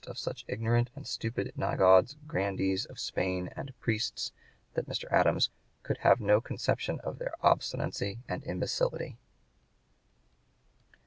112) of such ignorant and stupid nigauds, grandees of Spain, and priests," that Mr. Adams "could have no conception of their obstinacy and imbecility."